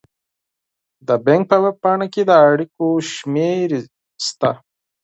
د بانک په ویب پاڼه کې د اړیکو شمیرې شته.